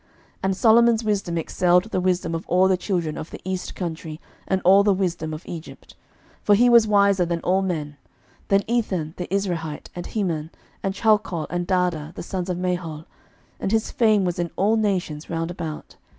11:004:030 And Solomon's wisdom excelled the wisdom of all the children of the east country, and all the wisdom of Egypt. 11:004:031 For he was wiser than all men; than Ethan the Ezrahite, and Heman, and Chalcol, and Darda, the sons of Mahol: and his fame was in all nations round about.